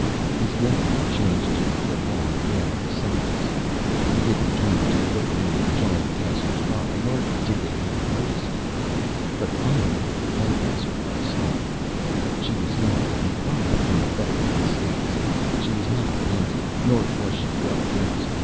His whimpering changed to prolonged wailing sobs. He didn't turn to look at any of the giant passers by nor did they even notice him. But finally one passer by stopped. She was young and probably from the Federated States. She was not painted nor was she well dressed.